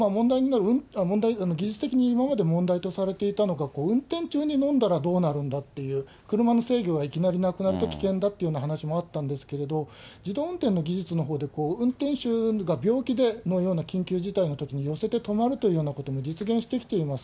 技術的に今まで問題とされていたのが、運転中に飲んだらどうなるんだっていう、車の制御がいきなりなくなると、危険だっていうような話もあったんですけれども、自動運転の技術のほうで運転手が病気のような緊急事態のときに、寄せて止まるというようなことも実現してきています。